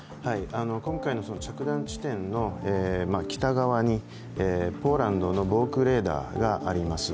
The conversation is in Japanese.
今回の着弾地点の北側にポーランドの防空レーダーがあります。